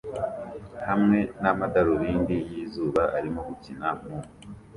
hamwe n’amadarubindi yizuba arimo gukina mu